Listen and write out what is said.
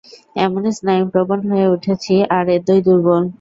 এমনই স্নায়ুপ্রবণ হয়ে উঠেছি, আর এতই দুর্বল।